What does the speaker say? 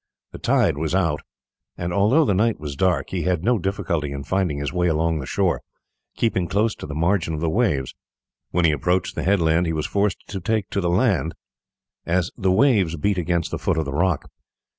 The tide was out, and although the night was dark he had no difficulty in finding his way along the shore, keeping close to the margin of the waves. When he approached the headland he was forced to take to the land, as the waves beat against the foot of the rock.